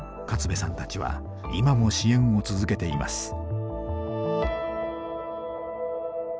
勝部さんたちは今も支援を続けています。